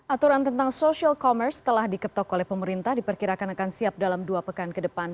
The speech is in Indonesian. aturan tentang social commerce telah diketok oleh pemerintah diperkirakan akan siap dalam dua pekan ke depan